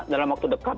dalam waktu dekat